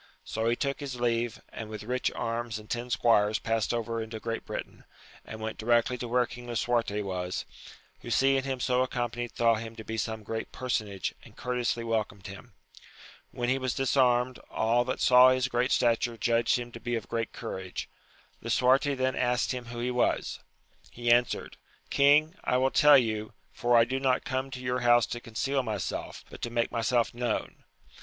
So he took his leave, and with rich arms and ten squires passed over into great Britain, and went directly to where King Lisuarte was, who seeing him so accompanied thought him to be some great personage, and courteously wel comed him. When he was disarmed, all that saw his great stature judged him to be of great courage. Lisuarte then asked him who he was. He answered, King, I will tell you, for I do not come to your house to conceal myself, but to make myself known.